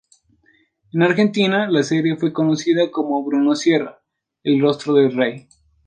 En Argentina, la serie fue conocida como Bruno Sierra, el rostro de ley.